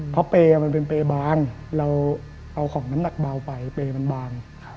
เพราะเปลี่ยนมันเป็นเปลี่ยนบางเราเอาของมันหนักเบาไปเปลี่ยนมันบาง